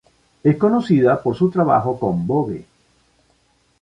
Es conocida por su trabajo con "Vogue".